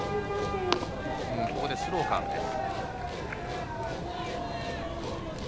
ここでスローカーブです。